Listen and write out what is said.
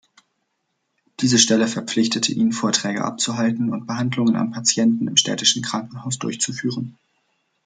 Diese Stelle verpflichtete ihn, Vorträge abzuhalten und Behandlungen an Patienten im Städtischen Krankenhaus durchzuführen.